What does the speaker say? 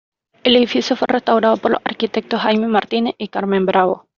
El edificio fue restaurado por los arquitectos Jaime Martínez y Carmen Bravo.